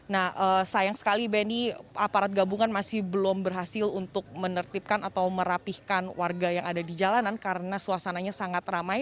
nah sayang sekali benny aparat gabungan masih belum berhasil untuk menertibkan atau merapihkan warga yang ada di jalanan karena suasananya sangat ramai